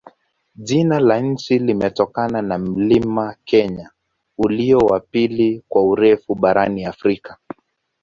Jina la nchi limetokana na mlima Kenya, ulio wa pili kwa urefu barani Afrika.